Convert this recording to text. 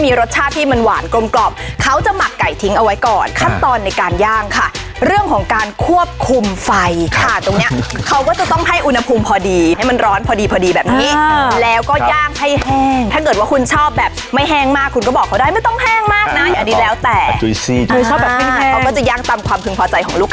ปี๕สีลูกก็เข้ามหาลัยหมดทั้ง๓คน